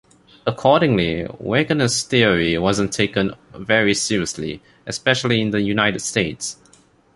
Accordingly, Wegener's theory wasn't taken very seriously, especially in the United States.